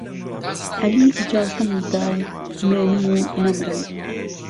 عهلی ئیجازەم بدا و بمێنم و نهمرم